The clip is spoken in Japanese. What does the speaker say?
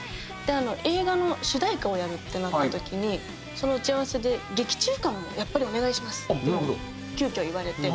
映画の主題歌をやるってなった時にその打ち合わせで「劇中歌もやっぱりお願いします」って急遽言われて。